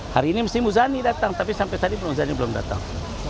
hari ini mesti muzani datang tapi sampai tadi muzani belum datang